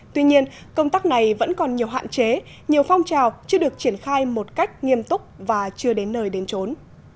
tuy nhiên công tác này vẫn còn nhiều hạn chế nhiều phong trào chưa được triển khai một cách nghiêm túc và chưa đến nơi đến trốn